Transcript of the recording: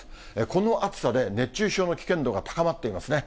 この暑さで熱中症の危険度が高まっていますね。